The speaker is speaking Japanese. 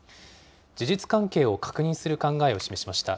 事実関係を確認する考えを示しました。